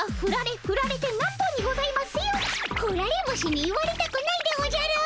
ふられ虫に言われたくないでおじゃる！